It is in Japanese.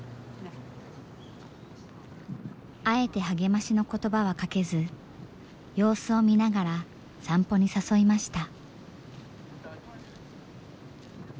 あえて励ましの言葉はかけず様子を見ながら散歩に誘いました。